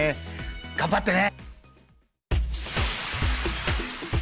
頑張ってね！